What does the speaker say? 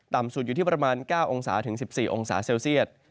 สุดอยู่ที่ประมาณ๙องศาถึง๑๔องศาเซลเซียต